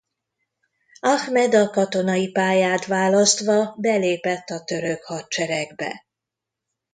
Ahmed a katonai pályát választva belépett a török hadseregbe.